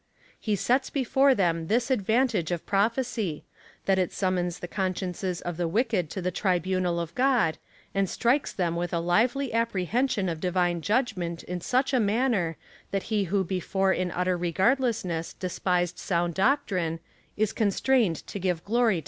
He sets before them this advantage of pro phecy, that it summons the consciences of the wicked to the tribunal of God, and strikes them with a lively apprehension of divine judgment in such a manner, that he who before in utter regardlessness despised sound doctrine, is constrained to give glory to God.